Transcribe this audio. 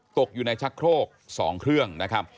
ตกอยู่ในชักโครก๒เครื่องนะครับ